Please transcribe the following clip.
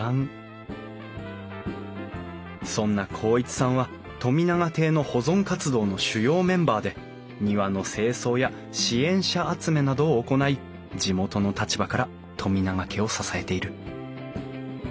そんな孝一さんは富永邸の保存活動の主要メンバーで庭の清掃や支援者集めなどを行い地元の立場から富永家を支えている。